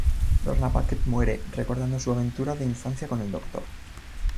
Lorna Bucket muere, recordando su aventura de infancia con el Doctor.